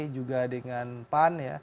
juga dengan pan